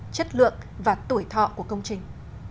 chất lượng và tuổi thọ của công trình